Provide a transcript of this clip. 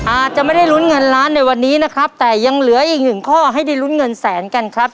อาจจะไม่ได้ลุ้นเงินล้านในวันนี้นะครับแต่ยังเหลืออีกหนึ่งข้อให้ได้ลุ้นเงินแสนกันครับ